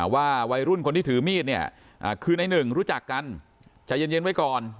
วัยรุ่นคนที่ถือมีดเนี่ยคือในหนึ่งรู้จักกันใจเย็นไว้ก่อน